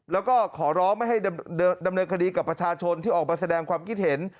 แล้วก็ขอร้องไม่ให้ดำเนินคดีกับประชาชนที่ออกมาแสดงความคิดเห็น